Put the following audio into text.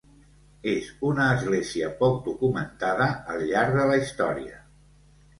És una església poc documentada, al llarg de la història.